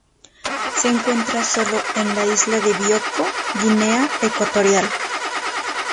Se encuentra sólo en la isla de Bioko, Guinea Ecuatorial.